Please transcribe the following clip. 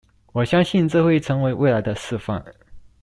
我相信這會成為未來的示範